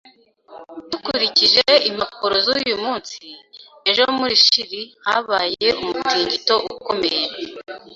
Dukurikije impapuro z'uyu munsi, ejo muri Chili habaye umutingito ukomeye.